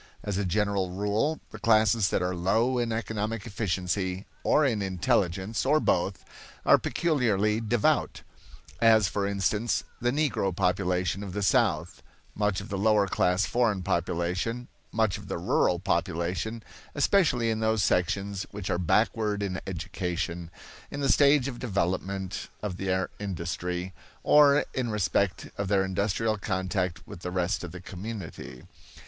As a general rule the classes that are low in economic efficiency, or in intelligence, or both, are peculiarly devout as, for instance, the Negro population of the South, much of the lower class foreign population, much of the rural population, especially in those sections which are backward in education, in the stage of development of their industry, or in respect of their industrial contact with the rest of the community.